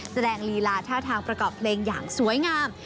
ลีลาท่าทางประกอบเพลงอย่างสวยงาม